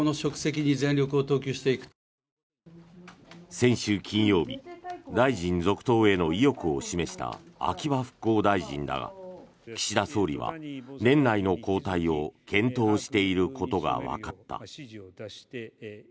先週金曜日、大臣続投への意欲を示した秋葉復興大臣だが岸田総理は年内の交代を検討していることがわかった。